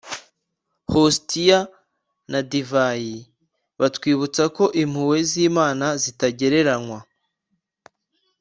-hostiya na divayi bitwibutsa ko impuhwe z’imana zitagereranywa.